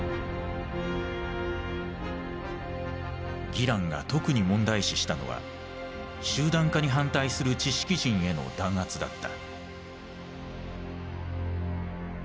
ギランが特に問題視したのは集団化に反対する知識人への弾圧だった。